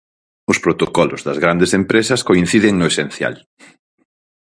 Os protocolos das grandes empresas coinciden no esencial.